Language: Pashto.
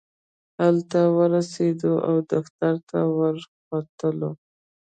هلته ورسېدو او دفتر ته ورختلو.